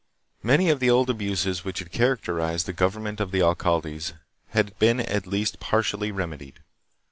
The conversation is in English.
Many of the old abuses which had characterized the government of the alcaldes had been at least partially remedied.